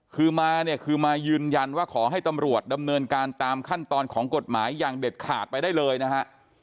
คือมาเนี่ยคือมายืนยันว่าขอให้ตำรวจดำเนินการตามขั้นตอนของกฎหมายอย่างเด็ดขาดไปได้เลยนะฮะ